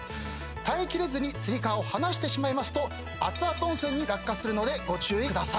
耐えきれずにつり革を離してしまいますと熱々温泉に落下するのでご注意ください。